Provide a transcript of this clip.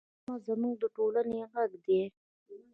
ډرامه زموږ د ټولنې غږ دی